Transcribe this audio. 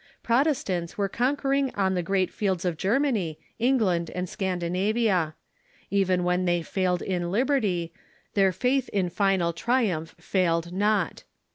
Protestants were conquering on the great fields of Germany, England, and Scandinavia. Even when they failed in liberty, their faith in final triumph failed not.